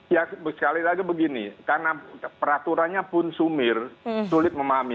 ya sekali lagi begini karena peraturannya pun sumir sulit memahami